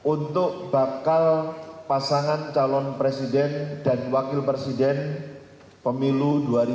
untuk bakal pasangan calon presiden dan wakil presiden pemilu dua ribu dua puluh